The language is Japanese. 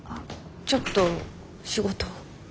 ちょっと仕事を。